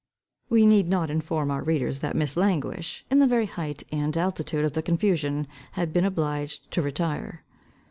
We need not inform our readers, that Miss Languish, in the very height and altitude of the confusion, had been obliged to retire.